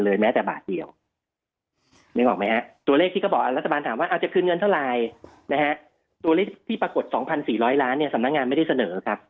และตัวเลขที่รัฐบาลถามว่าจะคืนเงินเท่าไหร่ตัวเลขที่ปรากฏ๒๔๐๐ล้านด้วยสำนักงานไม่ได้เสนอ